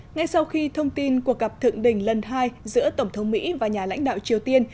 ngay sau khi thông tin cuộc gặp thượng đỉnh lần hai giữa tổng thống mỹ và nhà lãnh đạo triều tiên